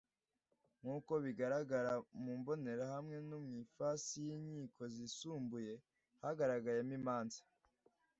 nk uko bigaragara mu mbonerahamwe no mu ifasi y’inkiko zisumbuye hagaragayemo imanza